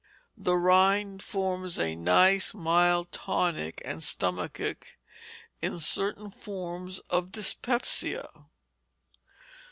The rind forms a nice mild tonic and stomachic in certain forms of dyspepsia.